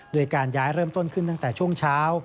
โดยการย้ายเริ่มต้นขึ้นตั้งแต่ช่วงเช้า